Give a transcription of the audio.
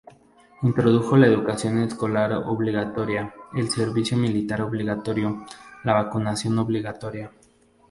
Introdujo la educación escolar obligatoria, el servicio militar obligatorio, la vacunación obligatoria.